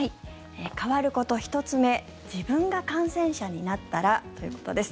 変わること、１つ目自分が感染者になったらということです。